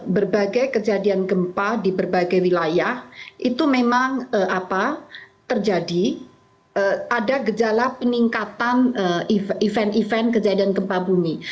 berbagai kejadian gempa di berbagai wilayah itu memang terjadi ada gejala peningkatan event event kejadian gempa bumi